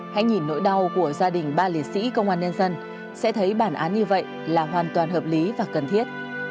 hãy nhìn nỗi đau của gia đình ba liệt sĩ công an nhân dân sẽ thấy bản án như vậy là hoàn toàn hợp lý và cần thiết